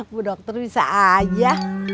bu dokter bisa aja